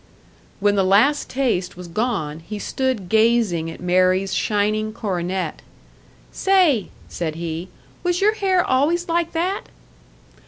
When the last taste was gone, he stood gazing at Mary's shining coronet. "Say," said he, "was your hair always like that?"